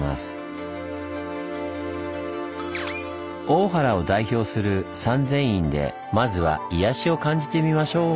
大原を代表する三千院でまずは「癒やし」を感じてみましょう！